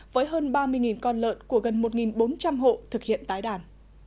với hơn ba mươi con lợn của gần một bốn trăm linh hộ thực hiện tái đàn